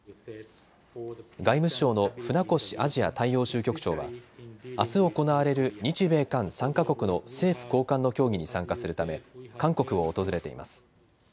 外務省の船越アジア大洋州局長はあす行われる日米韓３か国の政府高官の協議に参加するため韓国を訪れています。